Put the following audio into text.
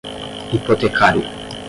hipotecário